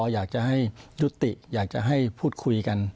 อยากจะให้ยุติอยากจะให้พูดคุยกัน